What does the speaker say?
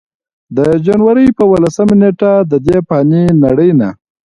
د جنورۍ پۀ اولسمه نېټه ددې فانې نړۍ نه